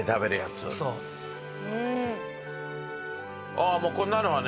ああもうこんなのはね